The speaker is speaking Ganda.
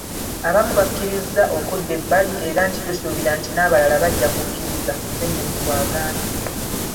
Abamu bakkiriza okudda ebbali era nti tusuubira nti n'abalala bajja kukkiriza,”Ssenyonyi bw'agambye.